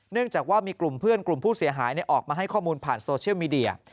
จากว่ามีกลุ่มเพื่อนกลุ่มผู้เสียหายออกมาให้ข้อมูลผ่านโซเชียลมีเดีย